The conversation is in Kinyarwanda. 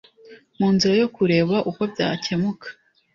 Mu nzira yo kureba uko byakemuka